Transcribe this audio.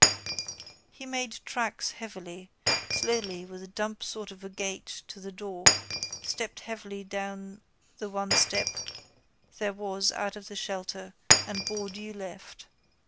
He made tracks heavily, slowly with a dumpy sort of a gait to the door, stepped heavily down the one step there was out of the shelter and bore due left.